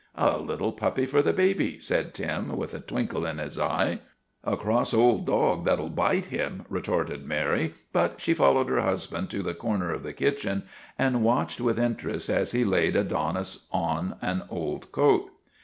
" A little puppy for the baby," said Tim with a twinkle in his eye. " A cross old dog that '11 bite him," retorted Mary, but she followed her husband to the corner of the kitchen and watched with interest as he laid Adonis on an old coat.